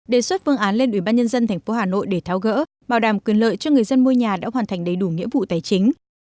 đề xuất vương án lên ủy ban nhân dân tp hà nội để tháo gỡ bảo đảm quyền lợi cho người dân mua nhà đã hoàn thành đầy đủ nghĩa vụ tài chính